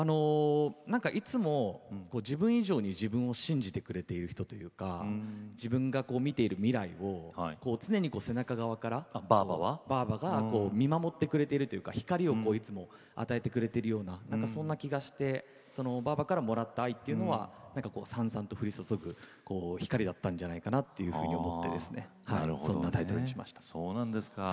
いつも自分以上に自分を信じてくれてる人というか自分が見ている未来を常に背中側から、ばあばが見守ってくれているというか光を与えてくれてるようなそんな気がしてばあばからもらった愛っていうのは燦燦と降り注ぐ光りだったんじゃないかなというふうに思ってそんなタイトルにしました。